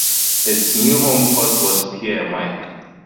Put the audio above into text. Its new home port was Pier Mike.